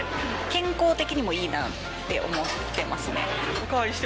健康的にもいいなって思ってますね